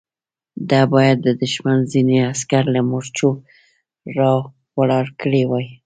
ده بايد د دښمن ځينې عسکر له مورچو را ولاړ کړي وای.